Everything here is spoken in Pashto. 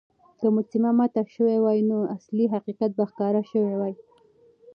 که مجسمه ماته شوې وای، نو اصلي حقيقت به ښکاره شوی وای.